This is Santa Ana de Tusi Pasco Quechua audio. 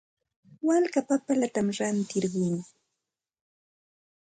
Walka papallatam rantirquu.